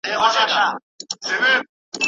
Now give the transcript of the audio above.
نه مې مڼه وخوړه،